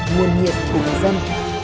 nguồn nhiệt của người dân